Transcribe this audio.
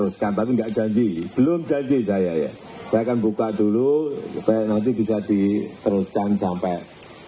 sebelum anggarannya data tidak